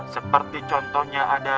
seperti contohnya ada